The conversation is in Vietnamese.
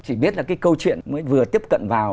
chỉ biết là cái câu chuyện mới vừa tiếp cận vào